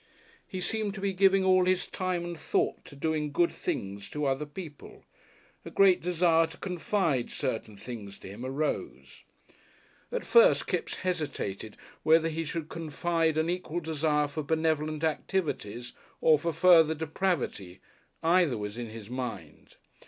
He seemed to be giving all his time and thought to doing good things to other people. A great desire to confide certain things to him arose. At first Kipps hesitated whether he should confide an equal desire for Benevolent activities or for further Depravity either was in his mind.